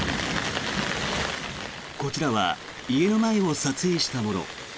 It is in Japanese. こちらは家の前を撮影したもの。